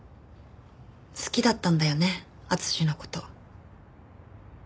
好きだったんだよね敦の事。